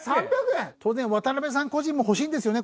当然渡邊さん個人も欲しいんですよね？